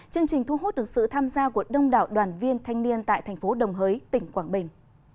chương trình thu hút được sự tham gia của đông đảo đoàn viên thanh niên tại thành phố đồng hới tỉnh quảng bình